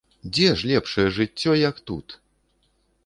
Дзе ж лепшае жыццё, як тут?